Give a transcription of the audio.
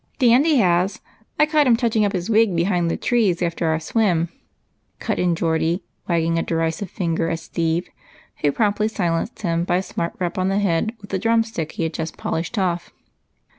" Dandy has ; I caught him touching up his wig be hind the trees after our swim," cut in Geordie, wagging a derisive finger at Steve, who promptly silenced him by a smart rap on the head with the drum stick he had just polished off.